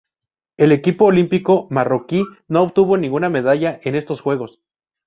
El equipo olímpico marroquí no obtuvo ninguna medalla en estos Juegos.